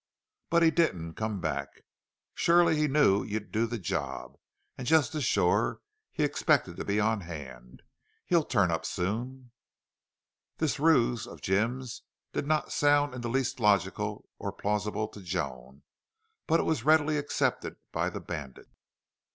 But he didn't come back. Sure he knew you'd do the job. And just as sure he expected to be on hand. He'll turn up soon." This ruse of Jim's did not sound in the least logical or plausible to Joan, but it was readily accepted by the bandits.